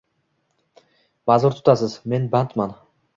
Ma’zur tutasiz, men bandman.